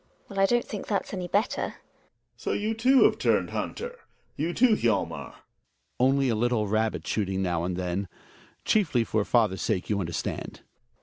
GiNA. Well, I don't think that's any better. Gregers. So you too have turned hunter; you too, Hjalmar ? Hjalmar. Only a little rabbit shooting now and again. Chiefly for father's sake, you understand.